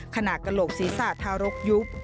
กระโหลกศีรษะทารกยุบ